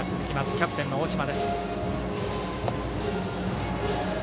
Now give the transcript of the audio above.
キャプテンの大島です。